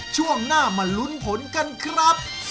ช่วงหน้ามาลุ้นผลกันครับ